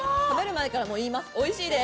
食べる前から言います。